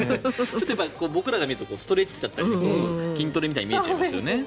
僕らが見るとストレッチだったり筋トレに見えちゃいますよね。